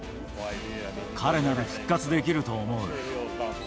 彼なら復活できると思う。